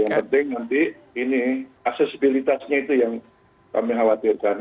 yang penting nanti ini aksesibilitasnya itu yang kami khawatirkan